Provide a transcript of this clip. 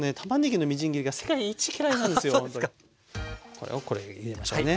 これをこれ入れましょうね。